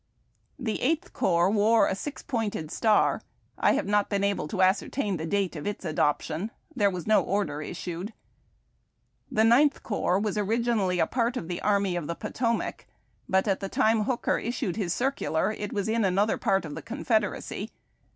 The Eighth Corps wore a six pointed star. I have not been able to ascertain the date of its adoption. There was no order issued. The Ninth Cor2:)S was originally a part of the Army of the Potomac, but at the time Hooker issued liis circular it was in another part of the Confederacy.